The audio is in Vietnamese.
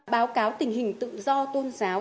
báo cáo tình hình tự do tôn giáo